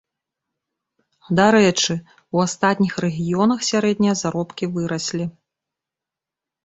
Дарэчы, у астатніх рэгіёнах сярэднія заробкі выраслі.